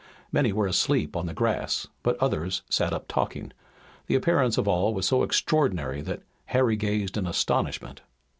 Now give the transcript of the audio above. Many were asleep on the grass, but others sat up talking. The appearance of all was so extraordinary that Harry gazed in astonishment.